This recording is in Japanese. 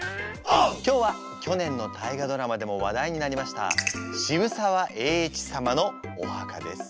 今日は去年の大河ドラマでも話題になりました渋沢栄一様のお墓です。